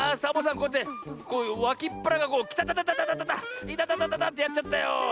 こうやってわきっぱらがこうきたたたたいたたたたってやっちゃったよ。